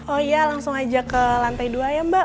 oh iya langsung aja ke lantai dua ya mbak